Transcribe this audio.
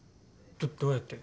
どどうやって？